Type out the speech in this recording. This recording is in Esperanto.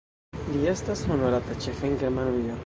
Li estas honorata ĉefe en Germanujo.